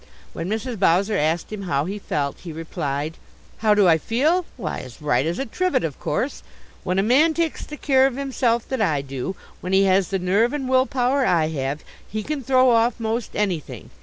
When Mrs. Bowser asked him how he felt he replied: "How do I feel? Why, as right as a trivet, of course. When a man takes the care of himself that I do when he has the nerve and will power I have he can throw off 'most anything.